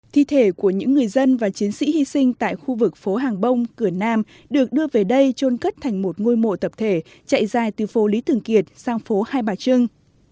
thi thể của những người dân và chiến sĩ hy sinh tại khu vực phố hàng bông cửa nam được đưa về đây trôn cất thành một ngôi mộ tập thể chạy dài từ phố lý thường kiệt sang phố hai bà trưng